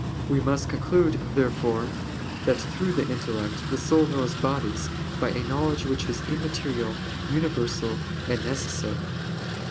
We must conclude, therefore, that through the intellect the soul knows bodies by a knowledge which is immaterial, universal, and necessary.